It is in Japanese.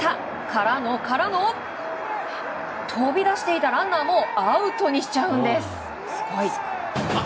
からのからの飛び出していたランナーもアウトにしちゃうんです！